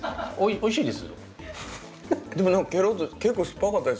おいしいです。